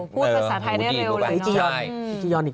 พูดภาษาไทยได้เร็วเลยจริง